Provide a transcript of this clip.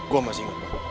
gue masih ingat